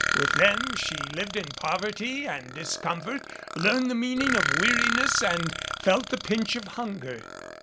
With them she lived in poverty and discomfort, learned the meaning of weariness and felt the pinch of hunger."